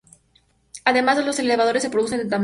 Además, los elevadores se reducen de tamaño.